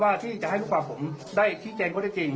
ว่าที่จะให้ลูกฝากผมได้ที่เจนก็ได้จริง